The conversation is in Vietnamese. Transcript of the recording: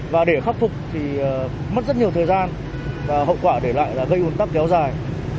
và để khắc phục thì mất rất nhiều thời gian và hậu quả để lại là gây ồn tắc kéo dài